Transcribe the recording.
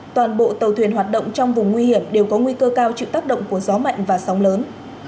toàn bộ tàu thuyền hoạt động trong vùng nguy hiểm đều có nguy cơ cao chịu tác động của gió mạnh và sóng lớn